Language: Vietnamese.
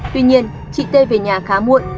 tuy nhiên chị t về nhà khá muộn